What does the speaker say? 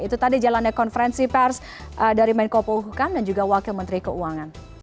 itu tadi jalannya konfrensi pers dari menko pohuka mahfud md dan juga wakil menteri keuangan